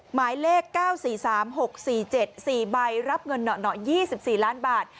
หมายเลข๙๔๓๖๔๗๔ใบรับเงินหนอ๒๔ล้านบาท